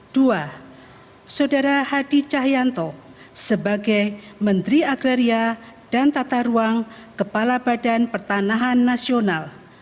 dua saudara hadi cahyanto sebagai menteri agraria dan tata ruang kepala badan pertanahan nasional